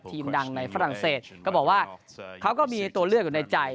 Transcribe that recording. ดังในฝรั่งเศสก็บอกว่าเขาก็มีตัวเลือกอยู่ในใจ